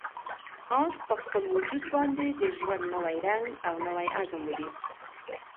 آس په خپل وجود باندې د ژوند نوی رنګ او نوی عزم ولید.